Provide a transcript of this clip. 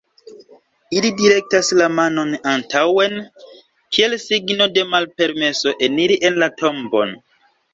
Ili direktas la manon antaŭen, kiel signo de malpermeso eniri en la tombon.